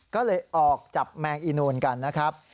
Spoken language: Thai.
ก็เลยออกจับแมงอีนูนกันนะครับ